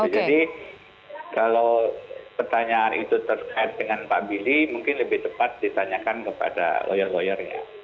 jadi kalau pertanyaan itu terkait dengan pak billy mungkin lebih tepat ditanyakan kepada lawyer lawyernya